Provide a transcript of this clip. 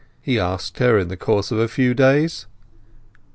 he asked her in the course of a few days.